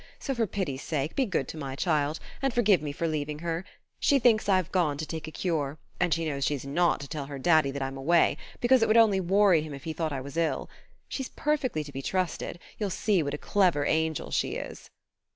So for pity's sake be good to my child, and forgive me for leaving her. She thinks I've gone to take a cure; and she knows she's not to tell her Daddy that I'm away, because it would only worry him if he thought I was ill. She's perfectly to be trusted; you'll see what a clever angel she is...."